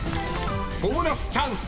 ［ボーナスチャンス！］